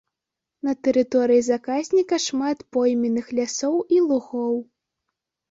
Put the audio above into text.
На тэрыторыі заказніка шмат пойменных лясоў і лугоў.